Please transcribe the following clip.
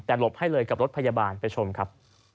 แต่หลบให้เลยกับรถพยาบาลไปชมครับ